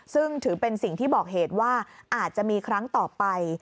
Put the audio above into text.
ซึ่งถือเป็นสิ่งที่บอกเหตุว่าอาจจะมีครั้งต่อไป